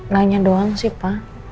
nanya doang sih pak